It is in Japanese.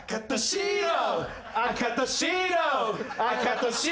「赤と白！